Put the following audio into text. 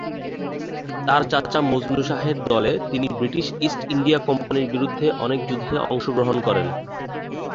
তার চাচা মজনু শাহের দলে তিনি ব্রিটিশ ইস্ট ইন্ডিয়া কোম্পানির বিরুদ্ধে অনেক যুদ্ধে অংশগ্রহণ করেন।